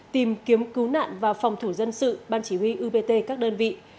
tìm kiếm cứu nạn và phòng thủ dân sự ban chỉ huy upt các đơn vị